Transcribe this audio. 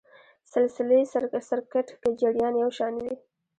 سلسلې سرکټ کې جریان یو شان وي.